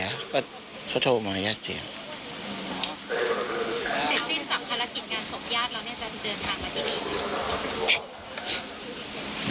เสร็จสิ้นจากธาระกิจงานศพญาติเราเนี่ยจะเดินทางมาที่นี่ไหม